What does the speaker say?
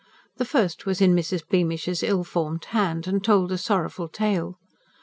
The first was in Mrs. Beamish's ill formed hand, and told a sorrowful tale.